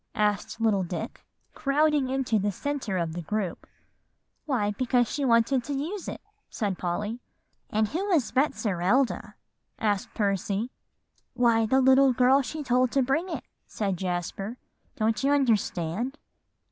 asked little Dick, crowding into the centre of the group. "Why, because she wanted to use it," said Polly. "And who was Betserilda?" asked Percy. "Why, the girl she told to bring it," said Jasper; "don't you understand?"